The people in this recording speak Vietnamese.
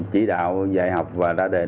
chỉ đạo dạy học và đa đề